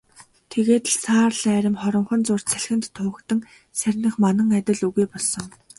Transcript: Тэгээд л саарал арми хоромхон зуурт салхинд туугдан сарних манан адил үгүй болсон.